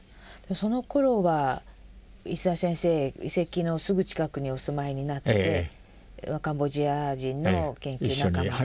そのころは石澤先生遺跡のすぐ近くにお住まいになってカンボジア人の研究仲間と。